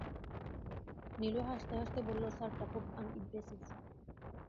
নীলু হাসতে-হাসতে বলল, স্যারটা খুব আনইমপ্রেসিভ।